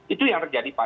itu yang terjadi pak